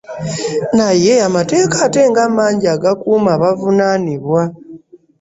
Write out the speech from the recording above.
Naye amateeka ate nga mangi agakuuma abavunaanibwa?